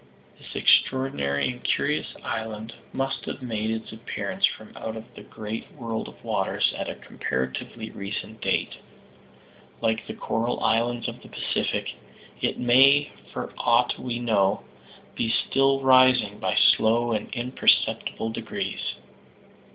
This extraordinary and curious island must have made its appearance from out of the great world of waters at a comparatively recent date. Like the coral islands of the Pacific, it may, for aught we know, be still rising by slow and imperceptible degrees.